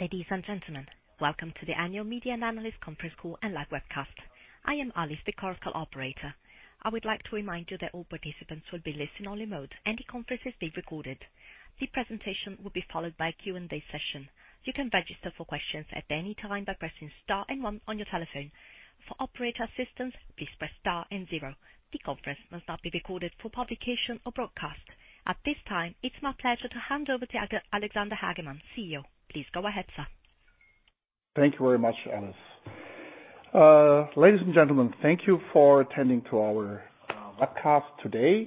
Ladies and gentlemen, welcome to the Annual Media and Analyst Conference Call and Live Webcast. I am Alice, the corporate operator. I would like to remind you that all participants will be listening only mode. Any conferences being recorded. The presentation will be followed by a Q&A session. You can register for questions at any time by pressing star and one on your telephone. For operator assistance, please press star and zero. The conference must not be recorded for publication or broadcast. At this time, it's my pleasure to hand over to Alexander Hagemann, CEO. Please go ahead, sir. Thank you very much, Alice. Ladies and gentlemen, thank you for attending to our webcast today.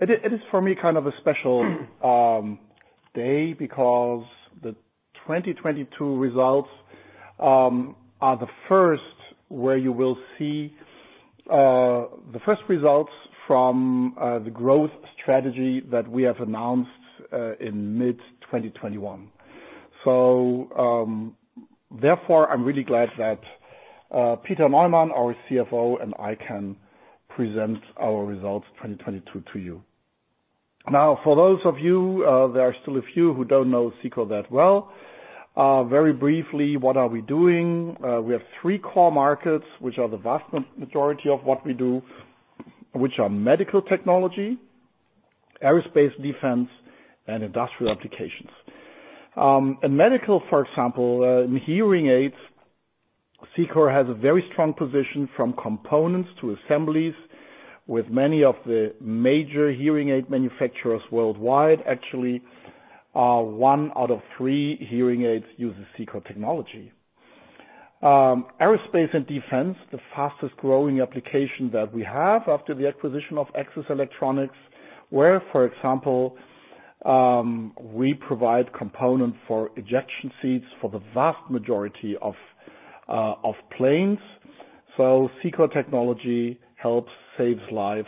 It is for me, kind of a special day because the 2022 results are the first where you will see the first results from the growth strategy that we have announced in mid-2021. Therefore, I'm really glad that Peter Neumann, our CFO, and I can present our results 2022 to you. For those of you, there are still a few who don't know Cicor that well. Very briefly, what are we doing? We have three core markets which are the vast majority of what we do, which are medical technology, aerospace, defense, and industrial applications. In medical, for example, in hearing aids, Cicor has a very strong position from components to assemblies with many of the major hearing aid manufacturers worldwide. Actually, one out of three hearing aids uses Cicor technology. Aerospace and defense, the fastest-growing application that we have after the acquisition of Axis Electronics, where, for example, we provide components for ejection seats for the vast majority of planes. Cicor technology helps saves life,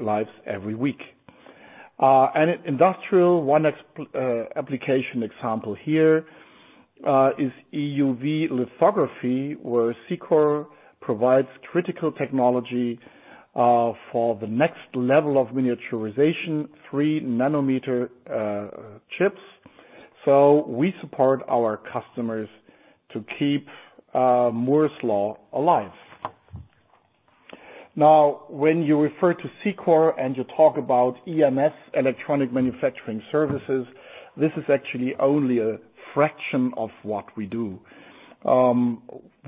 lives every week. Industrial one application example here, is EUV lithography, where Cicor provides critical technology for the next level of miniaturization, 3 nm chips. We support our customers to keep Moore's Law alive. When you refer to Cicor and you talk about EMS, Electronic Manufacturing Services, this is actually only a fraction of what we do.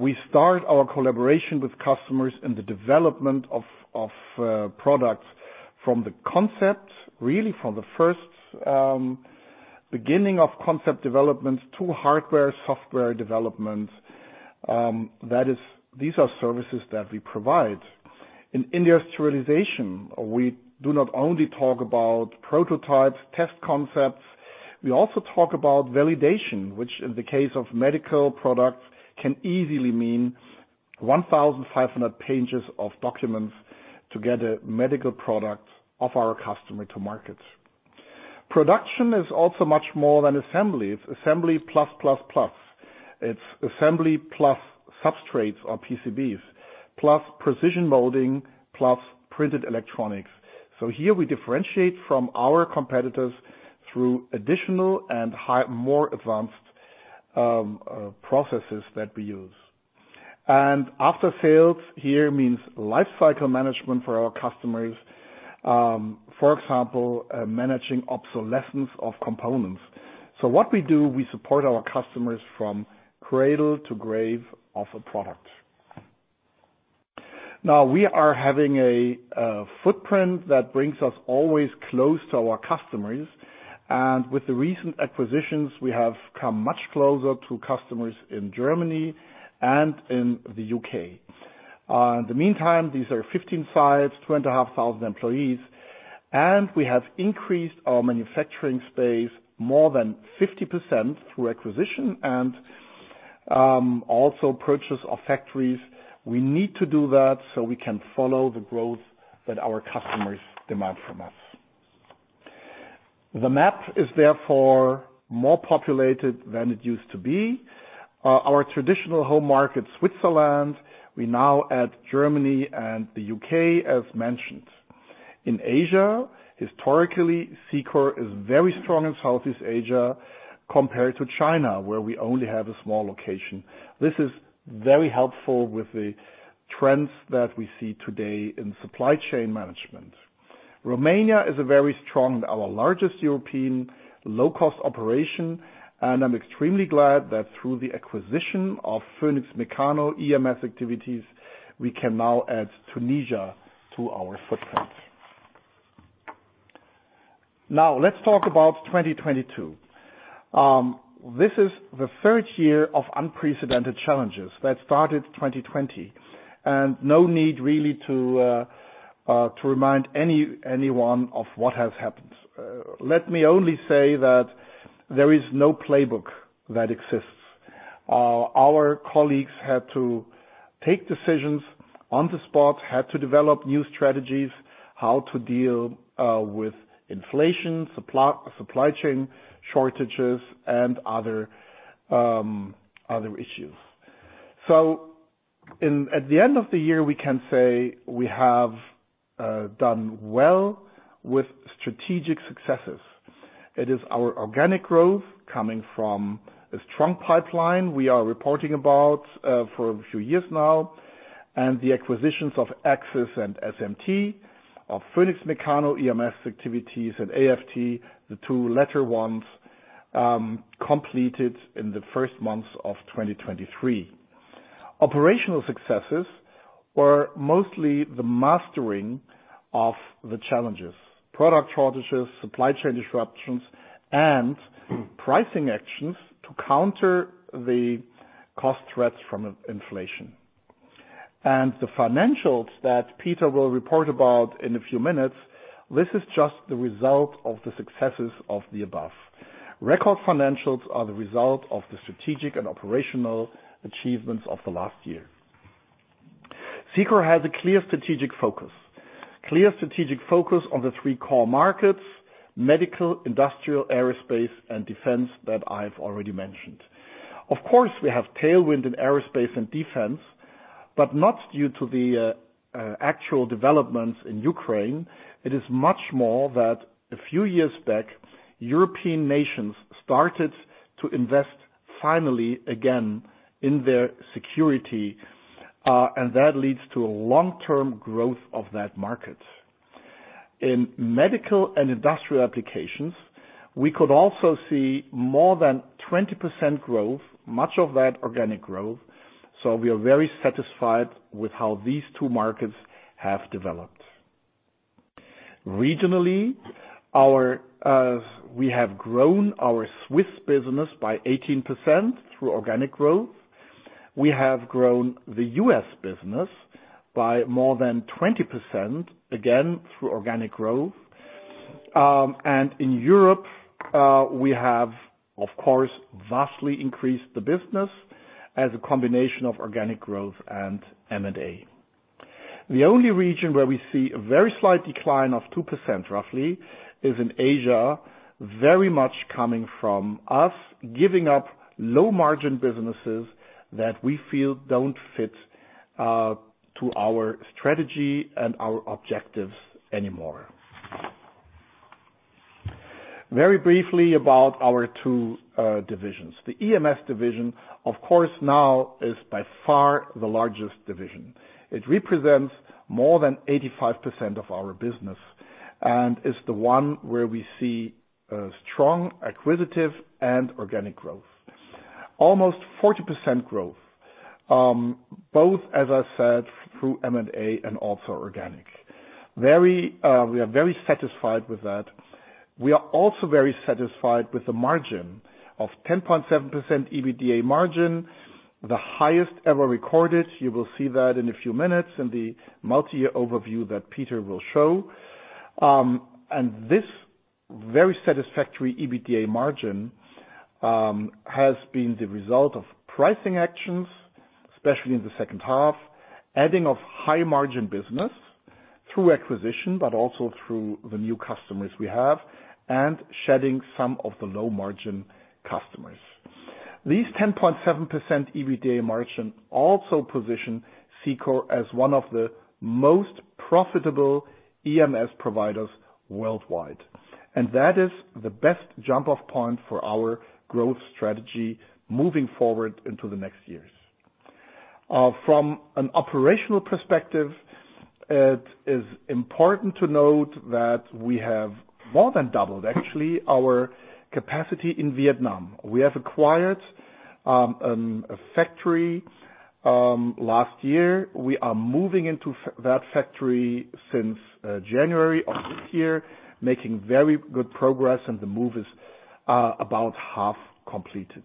We start our collaboration with customers in the development of products from the concept, really from the first beginning of concept development to hardware, software development. That is. These are services that we provide. In industrialization, we do not only talk about prototypes, test concepts, we also talk about validation, which in the case of medical products, can easily mean 1,500 pages of documents to get a medical product of our customer to market. Production is also much more than assembly. It's assembly plus, plus. It's assembly plus substrates or PCBs, plus precision molding, plus printed electronics. Here we differentiate from our competitors through additional and more advanced processes that we use. After sales here means lifecycle management for our customers. For example, managing obsolescence of components. What we do, we support our customers from cradle to grave of a product. Now we are having a footprint that brings us always close to our customers. With the recent acquisitions, we have come much closer to customers in Germany and in the UK In the meantime, these are 15 sites, 2,500 employees, and we have increased our manufacturing space more than 50% through acquisition and also purchase of factories. We need to do that so we can follow the growth that our customers demand from us. The map is therefore more populated than it used to be. Our traditional home market, Switzerland, we now add Germany and the UK, as mentioned. In Asia, historically, Cicor is very strong in Southeast Asia compared to China, where we only have a small location. This is very helpful with the trends that we see today in supply chain management. Romania is a very strong, our largest European low-cost operation, and I'm extremely glad that through the acquisition of Phoenix Mecano EMS activities, we can now add Tunisia to our footprint. Let's talk about 2022. This is the third year of unprecedented challenges that started 2020, and no need really to remind anyone of what has happened. Let me only say that there is no playbook that exists. Our colleagues had to take decisions on the spot, had to develop new strategies, how to deal with inflation, supply chain shortages and other issues. At the end of the year, we can say we have done well with strategic successes. It is our organic growth coming from a strong pipeline we are reporting about for a few years now, and the acquisitions of Axis and SMT, of Phoenix Mecano, EMS activities and AFT, the two latter ones, completed in the first months of 2023. Operational successes were mostly the mastering of the challenges, product shortages, supply chain disruptions, and pricing actions to counter the cost threats from inflation. The financials that Peter will report about in a few minutes, this is just the result of the successes of the above. Record financials are the result of the strategic and operational achievements of the last year. Cicor has a clear strategic focus. Clear strategic focus on the three core markets: medical, industrial, aerospace, and defense that I've already mentioned. Of course, we have tailwind in aerospace and defense, but not due to the actual developments in Ukraine. It is much more that a few years back, European nations started to invest finally again in their security, and that leads to a long-term growth of that market. In medical and industrial applications, we could also see more than 20% growth, much of that organic growth. We are very satisfied with how these two markets have developed. Regionally, we have grown our Swiss business by 18% through organic growth. We have grown the US business by more than 20%, again, through organic growth. In Europe, we have, of course, vastly increased the business as a combination of organic growth and M&A. The only region where we see a very slight decline of 2%, roughly, is in Asia, very much coming from us giving up low margin businesses that we feel don't fit to our strategy and our objectives anymore. Very briefly about our two divisions. The EMS Division, of course, now is by far the largest division. It represents more than 85% of our business, and is the one where we see strong acquisitive and organic growth. Almost 40% growth, both, as I said, through M&A and also organic. We are very satisfied with that. We are also very satisfied with the margin of 10.7% EBITDA margin, the highest ever recorded. You will see that in a few minutes in the multi-year overview that Peter will show. This very satisfactory EBITDA margin has been the result of pricing actions, especially in the H2, adding of high-margin business through acquisition, but also through the new customers we have, and shedding some of the low-margin customers. These 10.7% EBITDA margin also position Cicor as one of the most profitable EMS providers worldwide. That is the best jump-off point for our growth strategy moving forward into the next years. From an operational perspective, it is important to note that we have more than doubled, actually, our capacity in Vietnam. We have acquired a factory last year. We are moving into that factory since January of this year, making very good progress and the move is about half completed.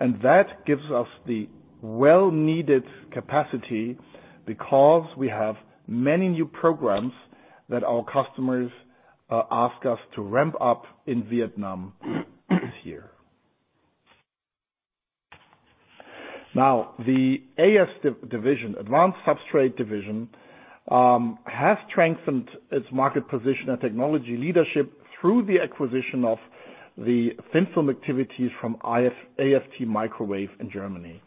That gives us the well-needed capacity because we have many new programs that our customers ask us to ramp up in Vietnam this year. The AS division, Advanced Substrates division, has strengthened its market position and technology leadership through the acquisition of the thin film activities from AFT Microwave in Germany,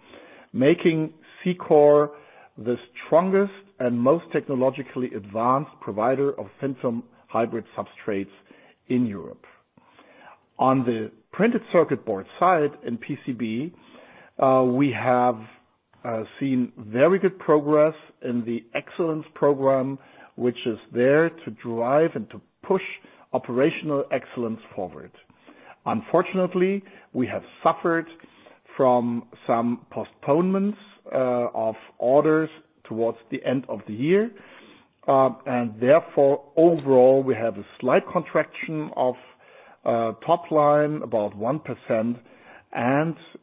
making Cicor the strongest and most technologically advanced provider of thin-film hybrid substrates in Europe. On the printed circuit board side, in PCB, we have seen very good progress in the excellence program, which is there to drive and to push operational excellence forward. Unfortunately, we have suffered from some postponements of orders towards the end of the year, therefore, overall, we have a slight contraction of top line, about 1%,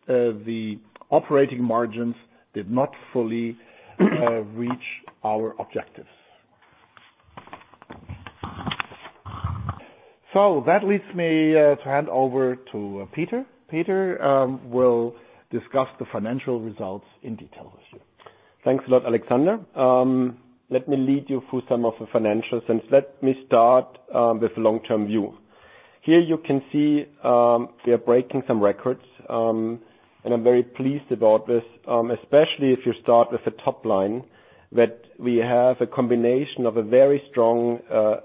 the operating margins did not fully reach our objectives. That leads me to hand over to Peter, Peter will discuss the financial results in detail. Thanks a lot, Alexander. Let me lead you through some of the financials. Let me start with long-term view. Here you can see, we are breaking some records. I'm very pleased about this, especially if you start with the top line, that we have a combination of a very strong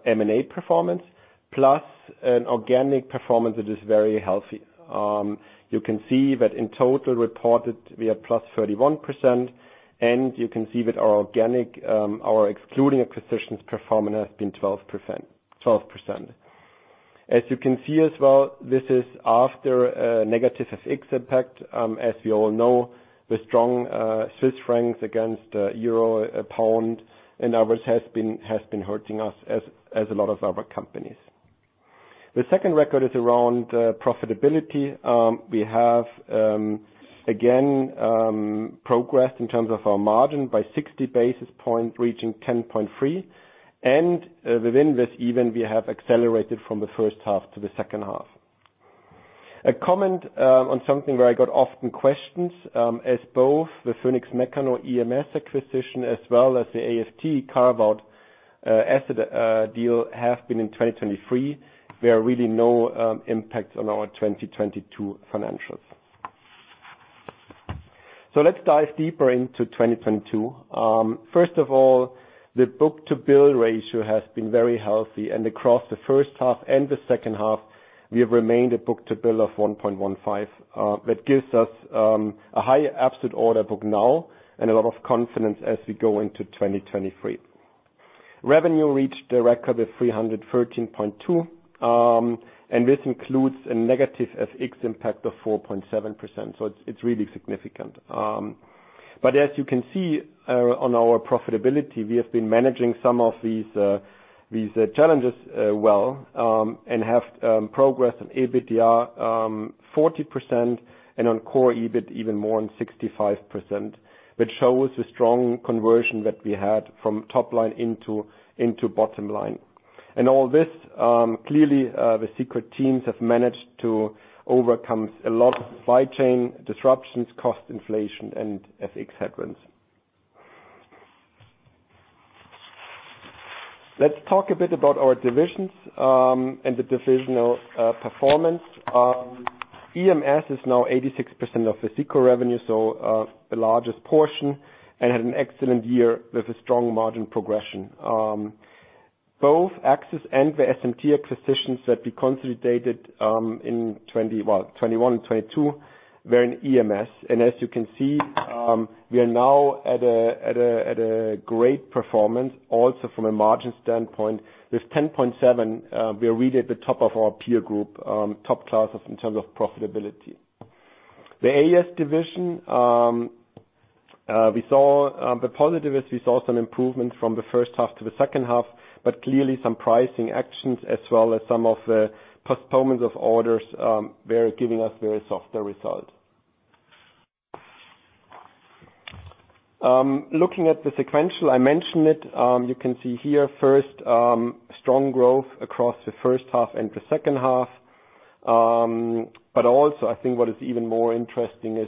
M&A performance plus an organic performance that is very healthy. You can see that in total reported, we are +31%. You can see that our organic, our excluding acquisitions performance has been 12%. As you can see as well, this is after a negative FX impact. As we all know, the strong CHF against EUR, GBP and others has been hurting us as a lot of other companies. The second record is around profitability. We have again progressed in terms of our margin by 60 basis points, reaching 10.3%, and within this even we have accelerated from the H1 to the H2. A comment on something where I got often questions, as both the Phoenix Mecano EMS acquisition as well as the AFT carve-out asset deal have been in 2023. There are really no impact on our 2022 financials. Let's dive deeper into 2022. First of all, the book-to-bill ratio has been very healthy. Across the H1 and the H2, we have remained a book-to-bill of 1.15. That gives us a higher absolute order book now and a lot of confidence as we go into 2023. Revenue reached a record of 313.2. This includes a negative FX impact of 4.7%. It's really significant. As you can see, on our profitability, we have been managing some of these challenges well, and have progressed on EBITDA 40% and on core EBIT even more than 65%, which shows the strong conversion that we had from top line into bottom line. All this, clearly, the Cicor teams have managed to overcome a lot of supply chain disruptions, cost inflation and FX headwinds. Let's talk a bit about our divisions and the divisional performance. EMS is now 86% of the Cicor revenue, so, the largest portion, and had an excellent year with a strong margin progression. Both Axis and the SMT acquisitions that we consolidated in 2021 and 2022 were in EMS. As you can see, we are now at a great performance also from a margin standpoint. With 10.7%, we are really at the top of our peer group, top class of, in terms of profitability. The AS division, we saw the positive is we saw some improvement from the H1 to the H2, but clearly some pricing actions as well as some of the postponements of orders were giving us very softer result. Looking at the sequential, I mentioned it, you can see here first, strong growth across the H1 and the H2. Also I think what is even more interesting is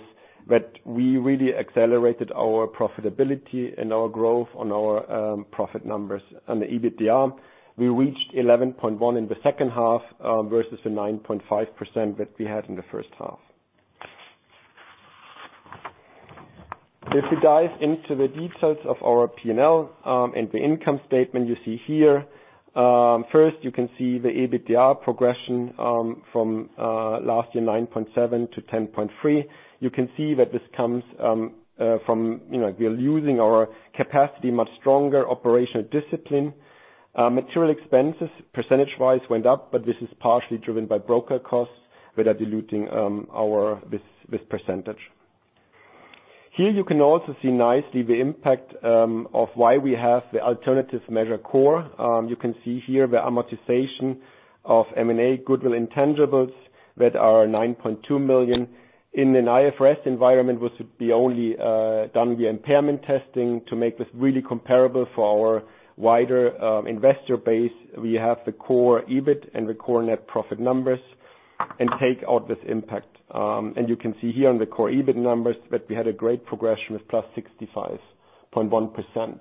that we really accelerated our profitability and our growth on our profit numbers. On the EBITDA, we reached 11.1% in the H2 versus the 9.5% that we had in the H1. If you dive into the details of our P&L and the income statement you see here, first you can see the EBITDA progression from last year, 9.7% to 10.3%. You can see that this comes from, you know, we are using our capacity, much stronger operational discipline. Material expenses percentage-wise went up, but this is partially driven by broker costs that are diluting our, this percentage. Here you can also see nicely the impact of why we have the alternative measure core. You can see here the amortization of M&A goodwill intangibles that are 9.2 million. In an IFRS environment, which would be only done via impairment testing. To make this really comparable for our wider investor base, we have the core EBIT and the core net profit numbers and take out this impact. You can see here on the core EBIT numbers that we had a great progression with +65.1%.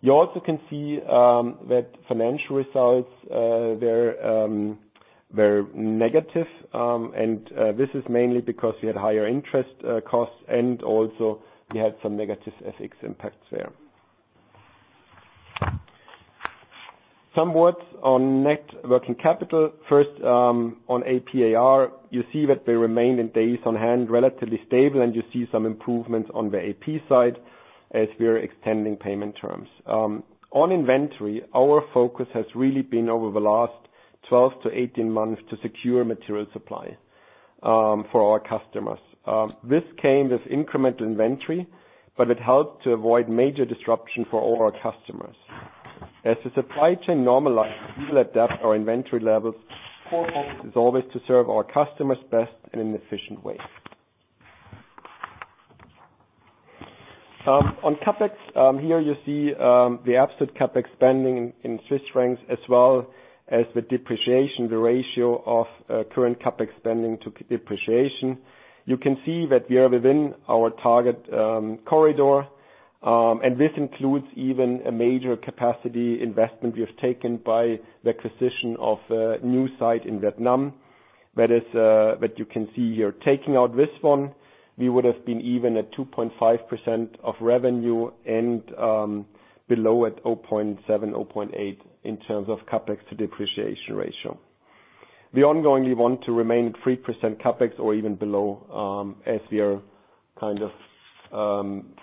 You also can see that financial results were negative. This is mainly because we had higher interest costs and also we had some negative FX impacts there. Some words on net working capital. First, on AP/AR, you see that they remain in days on hand, relatively stable. You see some improvements on the AP side as we are extending payment terms. On inventory, our focus has really been over the last 12 to 18 months to secure material supply for our customers. This came with incremental inventory. It helped to avoid major disruption for all our customers. As the supply chain normalizes, we will adapt our inventory levels. Our focus is always to serve our customers best and in an efficient way. On CapEx, here you see the absolute CapEx spending in Swiss francs as well as the depreciation, the ratio of current CapEx spending to depreciation. You can see that we are within our target corridor. This includes even a major capacity investment we have taken by the acquisition of a new site in Vietnam. That is that you can see here. Taking out this one, we would've been even at 2.5% of revenue and below at 0.7, 0.8 in terms of CapEx to depreciation ratio. We ongoingly want to remain at 3% CapEx or even below, as we are kind of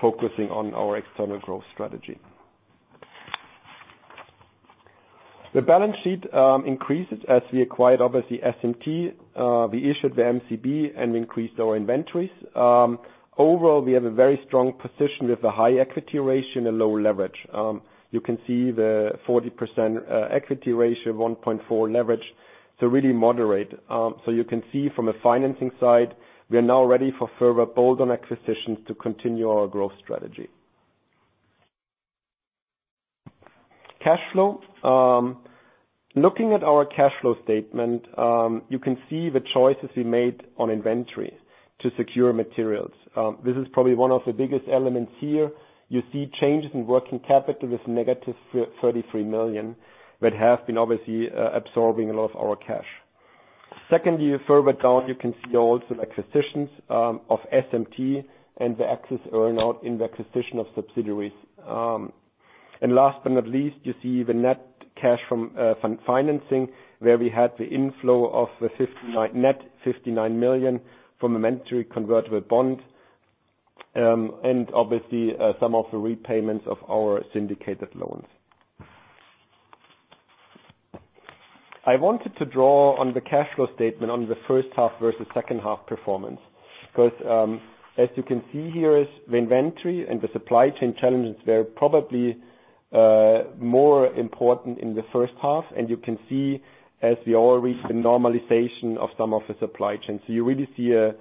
focusing on our external growth strategy. The balance sheet increases as we acquired, obviously, SMT. We issued the MCB and increased our inventories. Overall, we have a very strong position with a high equity ratio and low leverage. You can see the 40% equity ratio, 1.4 leverage, so really moderate. You can see from a financing side, we are now ready for further bolt-on acquisitions to continue our growth strategy. Cash flow. Looking at our cash flow statement, you can see the choices we made on inventory to secure materials. This is probably one of the biggest elements here. You see changes in working capital with negative 33 million, that have been obviously absorbing a lot of our cash. Secondly, further down, you can see also the acquisitions of SMT and the excess earn-out in the acquisition of subsidiaries. Last but not least, you see the net cash from fund financing, where we had the inflow of the net 59 million from a mandatory convertible bond and obviously some of the repayments of our syndicated loans. I wanted to draw on the cash flow statement on the H1 versus H2 performance, because, as you can see here, the inventory and the supply chain challenges were probably more important in the H1. You can see as we all reach the normalization of some of the supply chain. You really see a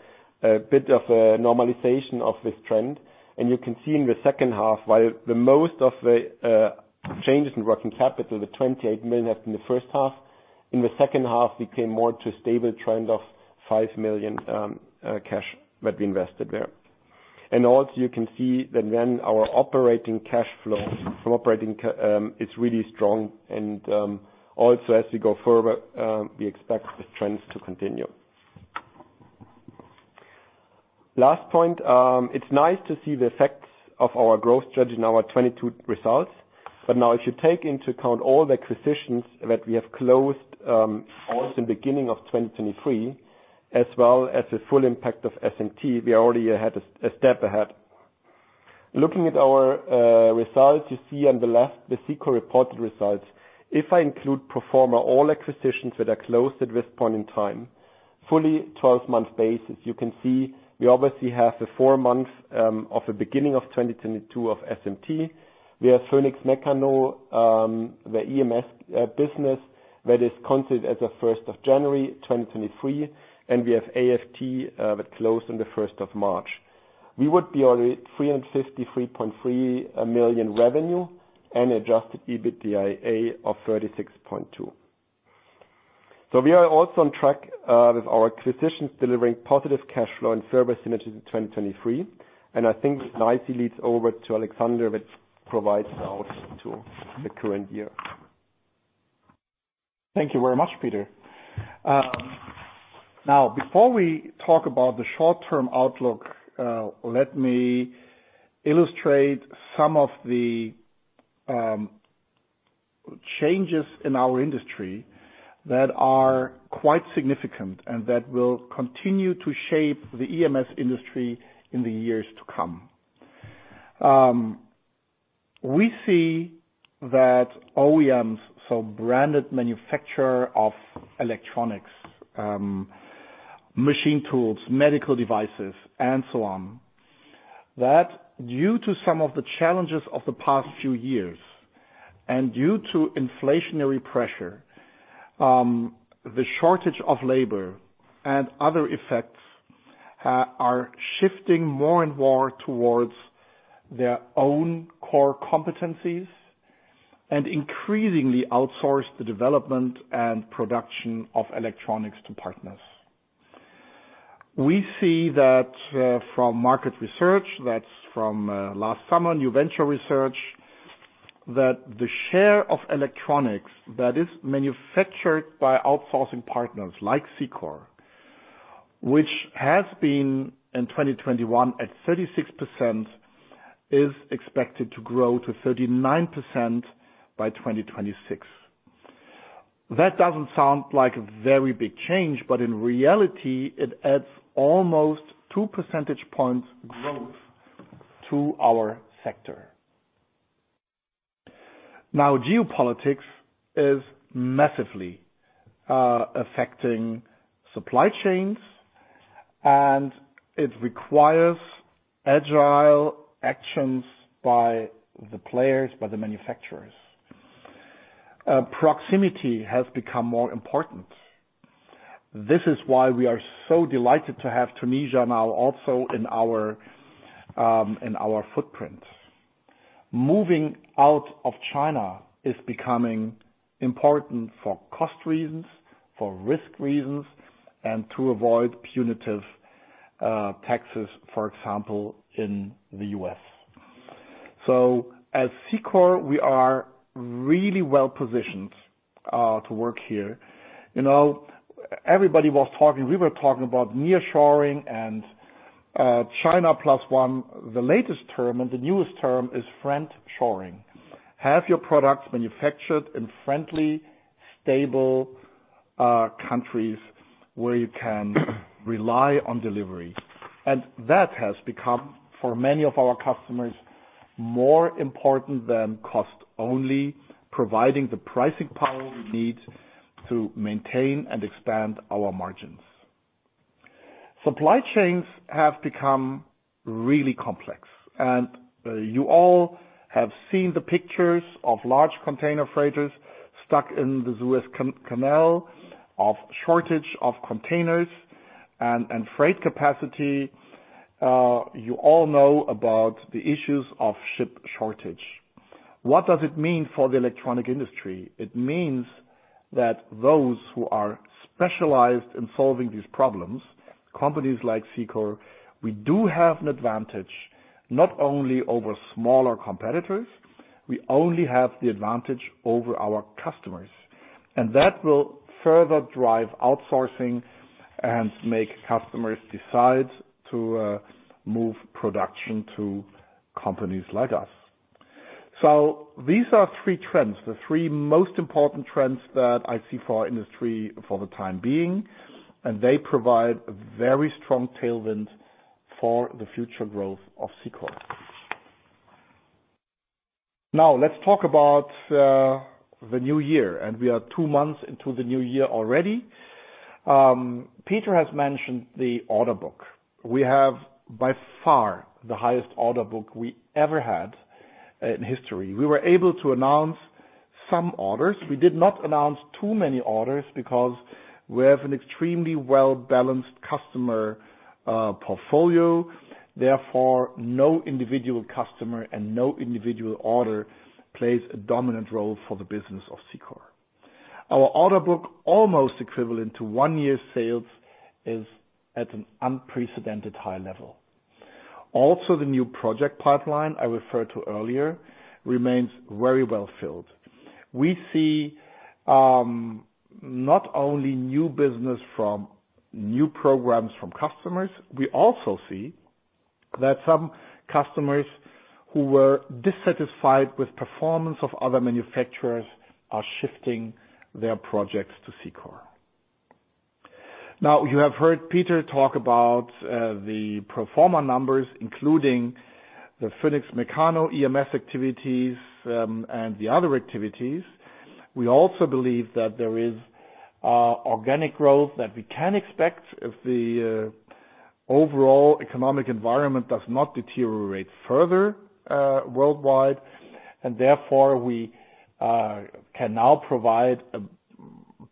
bit of a normalization of this trend. You can see in the H2, while the most of the changes in working capital, the 28 million, was in the H1. In the H2, we came more to a stable trend of 5 million cash that we invested there. Also, you can see that then our operating cash flow from operating is really strong and, also as we go further, we expect the trends to continue. Last point, it's nice to see the effects of our growth strategy in our 2022 results. Now if you take into account all the acquisitions that we have closed, also in the beginning of 2023, as well as the full impact of SMT, we are already a step ahead. Looking at our results, you see on the left the Cicor reported results. If I include pro forma, all acquisitions that are closed at this point in time, fully 12-month basis, you can see we obviously have the four months of the beginning of 2022 of SMT. We have Phoenix Mecano, the EMS business that is considered as of 1 January 2023, and we have AFT that closed on the 1 March 2023. We would be only 353.3 million revenue and adjusted EBITDA of 36.2. We are also on track with our acquisitions delivering positive cash flow and further synergies in 2023. I think nicely leads over to Alexander, which provides the outlook to the current year. Thank you very much, Peter. Before we talk about the short-term outlook, let me illustrate some of the changes in our industry that are quite significant and that will continue to shape the EMS industry in the years to come. We see that OEMs, so branded manufacturer of electronics, machine tools, medical devices, and so on, that due to some of the challenges of the past few years and due to inflationary pressure, the shortage of labor and other effects, are shifting more and more towards their own core competencies and increasingly outsource the development and production of electronics to partners. We see that, from market research, that's from last summer, New Venture Research, that the share of electronics that is manufactured by outsourcing partners like Cicor, which has been, in 2021, at 36%, is expected to grow to 39% by 2026. That doesn't sound like a very big change, but in reality, it adds almost two percentage points growth to our sector. Geopolitics is massively affecting supply chains, and it requires agile actions by the players, by the manufacturers. Proximity has become more important. This is why we are so delighted to have Tunisia now also in our in our footprint. Moving out of China is becoming important for cost reasons, for risk reasons, and to avoid punitive taxes, for example, in the US. At Cicor, we are really well positioned to work here. You know, everybody was talking. We were talking about nearshoring and China +1. The latest term and the newest term is friendshoring. Have your products manufactured in friendly, stable countries where you can rely on delivery. That has become, for many of our customers, more important than cost, only providing the pricing power we need to maintain and expand our margins. Supply chains have become really complex. You all have seen the pictures of large container freighters stuck in the Suez Canal, of shortage of containers and freight capacity. You all know about the issues of ship shortage. What does it mean for the electronic industry? It means that those who are specialized in solving these problems, companies like Cicor, we do have an advantage not only over smaller competitors, we only have the advantage over our customers. That will further drive outsourcing and make customers decide to move production to companies like us. These are three trends, the three most important trends that I see for our industry for the time being, and they provide a very strong tailwind for the future growth of Cicor. Let's talk about the new year, and we are two months into the new year already. Peter has mentioned the order book. We have by far the highest order book we ever had in history. We were able to announce some orders. We did not announce too many orders because we have an extremely well-balanced customer portfolio. Therefore, no individual customer and no individual order plays a dominant role for the business of Cicor. Our order book, almost equivalent to one year's sales, is at an unprecedented high level. The new project pipeline I referred to earlier remains very well filled. We see not only new business from new programs from customers, we also see that some customers who were dissatisfied with performance of other manufacturers are shifting their projects to Cicor. You have heard Peter Neumann talk about the pro forma numbers, including the Phoenix Mecano EMS activities and the other activities. We also believe that there is organic growth that we can expect if the overall economic environment does not deteriorate further worldwide. We can now provide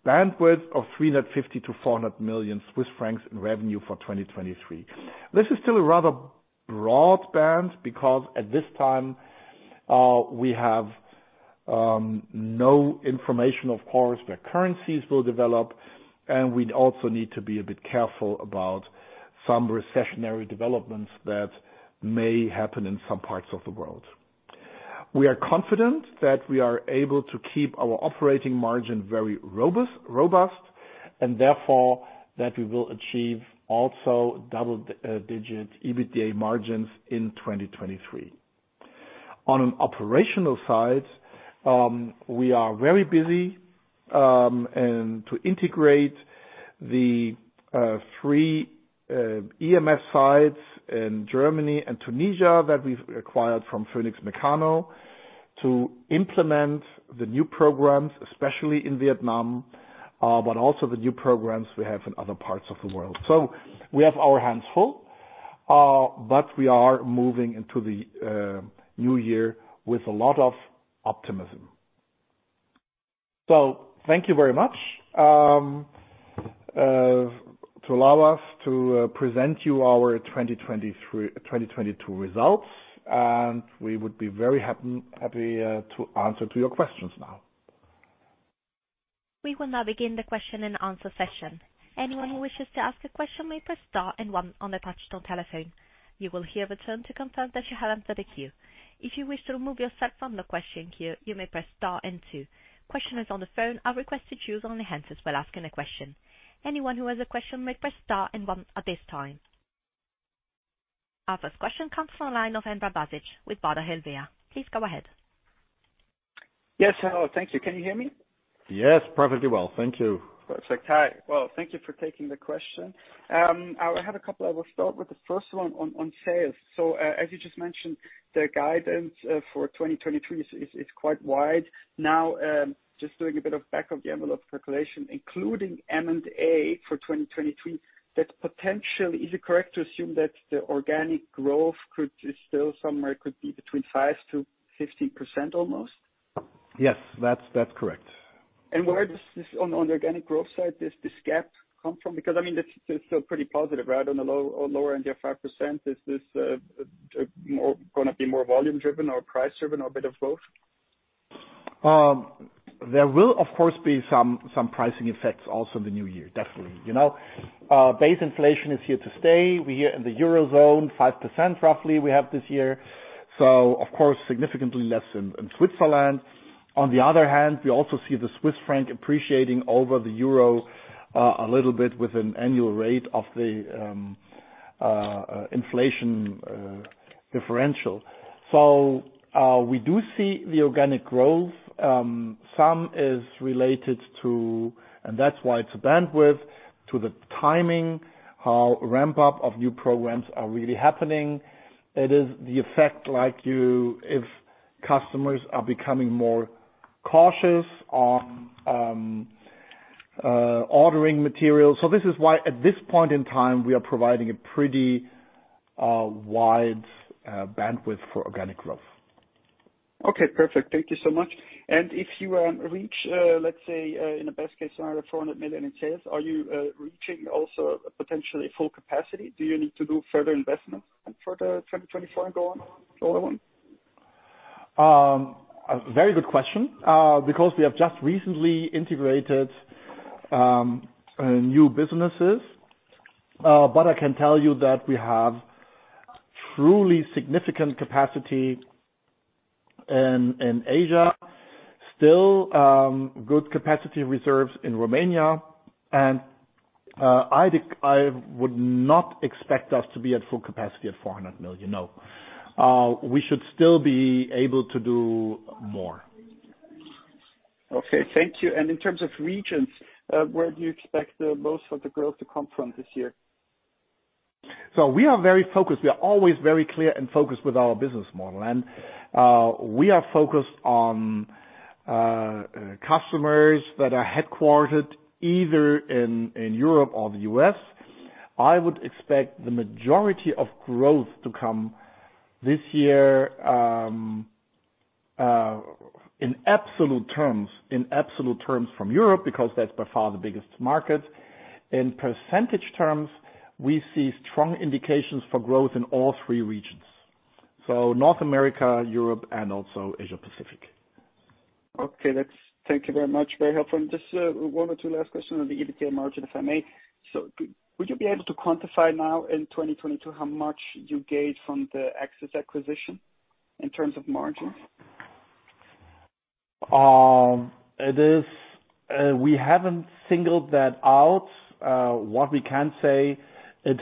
a bandwidth of 350 to 400 million in revenue for 2023. This is still a rather broad band because at this time, we have no information, of course, where currencies will develop, and we'd also need to be a bit careful about some recessionary developments that may happen in some parts of the world. We are confident that we are able to keep our operating margin very robust, and therefore, that we will achieve also double digit EBITDA margins in 2023. On an operational side, we are very busy, and to integrate the three EMS sites in Germany and Tunisia that we've acquired from Phoenix Mecano to implement the new programs, especially in Vietnam, but also the new programs we have in other parts of the world. We have our hands full, but we are moving into the new year with a lot of optimism. Thank you very much, to allow us to present you our 2022 results. We would be very happy to answer to your questions now. We will now begin the question and answer session. Anyone who wishes to ask a question may press star and one on the touch-tone telephone. You will hear a tone to confirm that you have entered the queue. If you wish to remove yourself from the question queue, you may press star and two. Questioners on the phone are requested to use only enhances while asking a question. Anyone who has a question may press star and one at this time. Our first question comes from the line of Emra Bašić with Baader Helvea. Please go ahead. Yes, hello. Thank you. Can you hear me? Yes, perfectly well. Thank you. Perfect. Hi. Well, thank you for taking the question. I have a couple. I will start with the first one on sales. As you just mentioned, the guidance for 2023 is quite wide. Now, just doing a bit of back of the envelope calculation, including M&A for 2023, that potentially... Is it correct to assume that the organic growth is still somewhere could be between 5% to 15% almost? Yes. That's correct. Where does this on the organic growth side does this gap come from? I mean, it's still pretty positive, right, on the low or lower end, your 5%. Is this more gonna be more volume driven or price driven or a bit of both? There will of course be some pricing effects also in the new year, definitely. You know, base inflation is here to stay. We're here in the Euro zone, 5% roughly we have this year, so of course significantly less in Switzerland. On the other hand, we also see the Swiss franc appreciating over the euro a little bit with an annual rate of the inflation differential. We do see the organic growth. Some is related to... and that's why it's a bandwidth, to the timing, how ramp up of new programs are really happening. It is the effect if customers are becoming more cautious on ordering materials. This is why at this point in time, we are providing a pretty wide bandwidth for organic growth. Okay. Perfect. Thank you so much. If you reach, let's say, in a best-case scenario, 400 million in sales, are you reaching also potentially full capacity? Do you need to do further investments for the 2024 and go on, go alone? A very good question, because we have just recently integrated new businesses. I can tell you that we have truly significant capacity in Asia, still, good capacity reserves in Romania and, I would not expect us to be at full capacity at 400 million, no. We should still be able to do more. Okay. Thank you. In terms of regions, where do you expect the most of the growth to come from this year? We are very focused. We are always very clear and focused with our business model and we are focused on customers that are headquartered either in Europe or the US. I would expect the majority of growth to come this year, in absolute terms from Europe, because that's by far the biggest market. In percentage terms, we see strong indications for growth in all three regions, North America, Europe and also Asia-Pacific. Okay. That's Thank you very much. Very helpful. Just one or two last questions on the EBITDA margin, if I may. Could you be able to quantify now in 2022 how much you gained from the Axis acquisition in terms of margins? It is, we haven't singled that out. What we can say it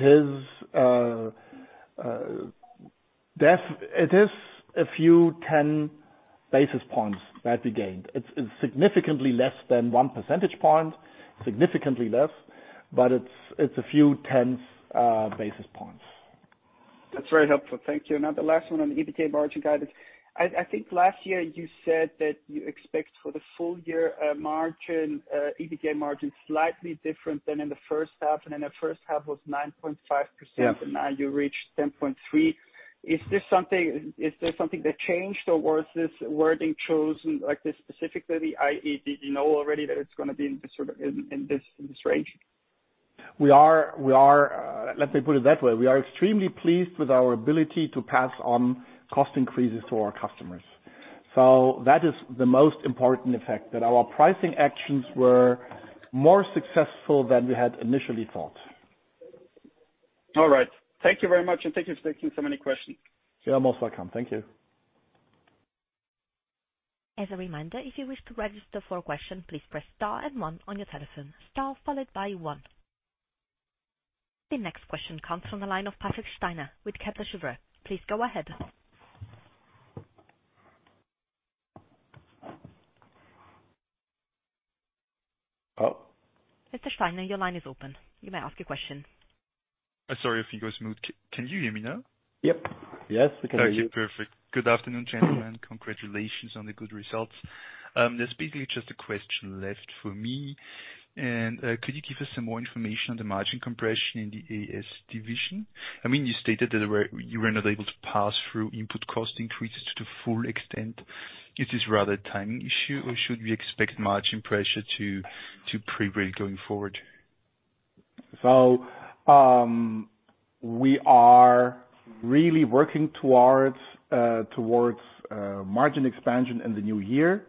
is a few 10 basis points that we gained. It's significantly less than 1 percentage point. Significantly less, but it's a few tenth basis points. That's very helpful. Thank you. Now the last one on the EBITDA margin guidance. I think last year you said that you expect for the full year, margin, EBITDA margin slightly different than in the H1. And in the H1 was 9.5%. Yeah. Now you reached 10.3. Is this something, is there something that changed, or was this wording chosen like this specifically, i.e. did you know already that it's gonna be in this sort of, in this, in this range? We are let me put it that way. We are extremely pleased with our ability to pass on cost increases to our customers. That is the most important effect, that our pricing actions were more successful than we had initially thought. All right. Thank you very much, and thank you for taking so many questions. You are most welcome. Thank you. As a reminder, if you wish to register for a question, please press star and one on your telephone. Star followed by one. The next question comes from the line of Patrick Steiner with Kepler Cheuvreux. Please go ahead. Oh. Mr. Steiner, your line is open. You may ask your question. Sorry if you go mute. Can you hear me now? Yep. Yes, we can hear you. Okay, perfect. Good afternoon, gentlemen. Congratulations on the good results. There's basically just a question left for me. Could you give us some more information on the margin compression in the AS division? I mean, you stated that you were not able to pass through input cost increases to the full extent. Is this rather a timing issue, or should we expect margin pressure to prevail going forward? We are really working towards margin expansion in the new year,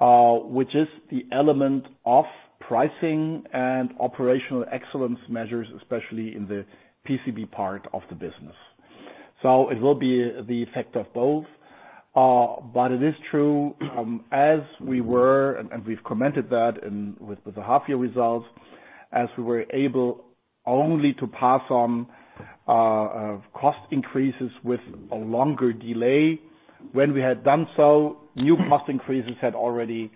which is the element of pricing and operational excellence measures, especially in the PCB part of the business. It will be the effect of both. But it is true, as we were, and we've commented that in with the half year results, as we were able only to pass on cost increases with a longer delay. When we had done so, new cost increases had already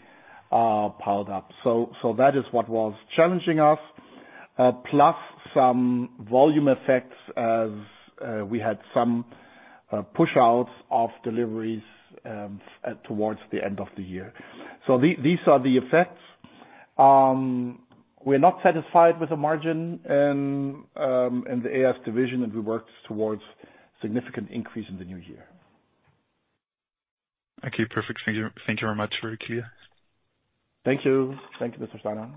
piled up. That is what was challenging us, plus some volume effects as we had some push outs of deliveries towards the end of the year. These are the effects. We're not satisfied with the margin in the AS division, and we work towards significant increase in the new year. Thank you. Perfect. Thank you, thank you very much. Very clear. Thank you. Thank you, Mr. Steiner.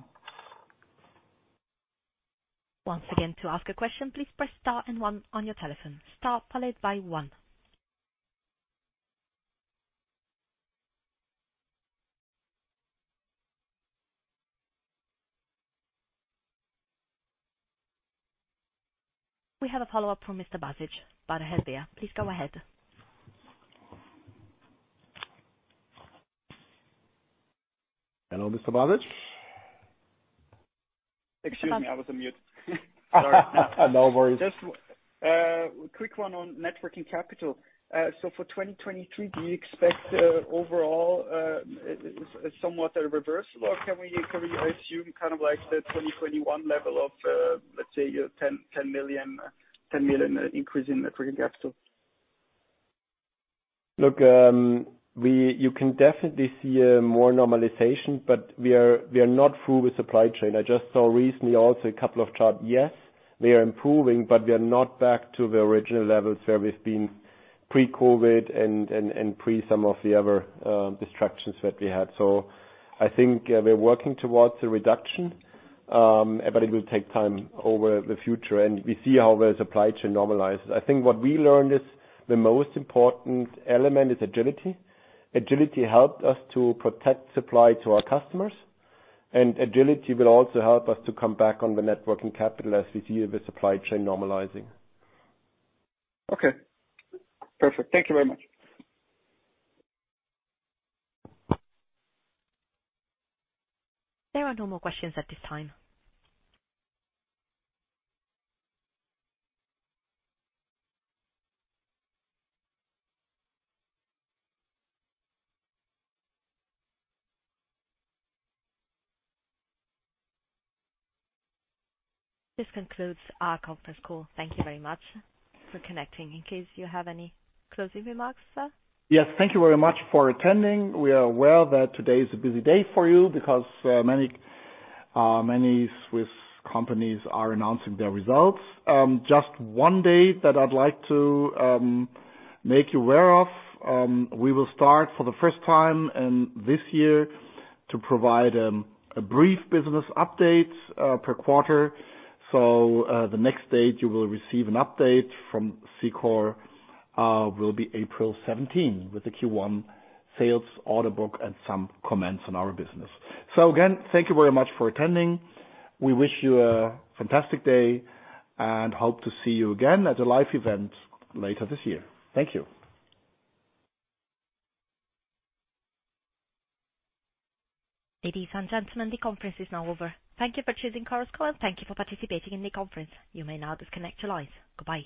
Once again, to ask a question, please press star and one on your telephone. Star followed by one. We have a follow-up from Mr. Bašić with Baader Helvea. Please go ahead. Hello, Mr. Bašić. Excuse me. I was on mute. Sorry. No worries. Just a quick one on net working capital. For 2023, do you expect overall somewhat a reversal or can we assume kind of like the 2021 level of, let's say 10 million increase in net working capital? Look, You can definitely see more normalization, but we are not through with supply chain. I just saw recently also a couple of chart. Yes, we are improving, but we are not back to the original levels where we've been pre-COVID and pre some of the other distractions that we had. I think, we're working towards a reduction, but it will take time over the future, and we see how the supply chain normalizes. I think what we learned is the most important element is agility. Agility helped us to protect supply to our customers, and agility will also help us to come back on the net working capital as we see the supply chain normalizing. Okay. Perfect. Thank you very much. There are no more questions at this time. This concludes our conference call. Thank you very much for connecting. In case you have any closing remarks, sir? Yes. Thank you very much for attending. We are aware that today is a busy day for you because many, many Swiss companies are announcing their results. Just 1 date that I'd like to make you aware of. We will start for the first time and this year to provide a brief business update per quarter. The next date you will receive an update from Cicor will be April 17 with the Q1 sales order book and some comments on our business. Again, thank you very much for attending. We wish you a fantastic day and hope to see you again at a live event later this year. Thank you. Ladies and gentlemen, the conference is now over. Thank you for choosing Cicor call and thank you for participating in the conference. You may now disconnect your lines. Goodbye.